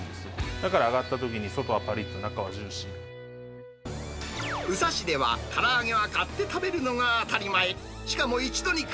だから揚がったときに、宇佐市では、から揚げは買って食べるのが当たり前。